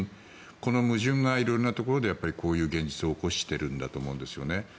この矛盾が色々なところでこういう現実を起こしているんだと思うんですよね。